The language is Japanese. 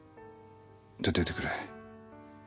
出ていてくれ。